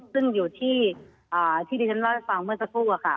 ซึ่งอยู่ที่ที่ท่านล่าฟังเมื่อสักพูดว่าค่ะ